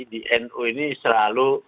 di nu ini selalu